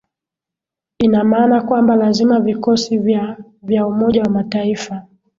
ina maana kwamba lazima vikosi vya vya umoja wa mataifa